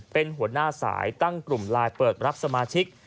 เป็นหัวหน้าสายตั้งกลุ่มไลน์เปิดรับสมาชิก